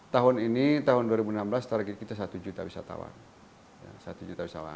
tahun ini tahun dua ribu enam belas target kita satu juta wisatawan